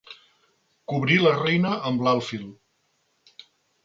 Cobrir la reina amb l'alfil.